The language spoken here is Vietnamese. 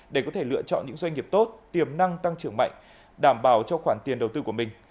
để có thể lựa chọn những doanh nghiệp tốt tiềm năng tăng trưởng mạnh đảm bảo cho khoản tiền đầu tư của mình